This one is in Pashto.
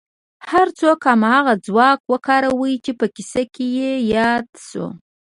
هر څوک هماغه ځواک وکاروي چې په کيسه کې ياد شو.